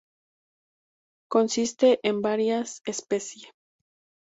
Consiste en varias especie.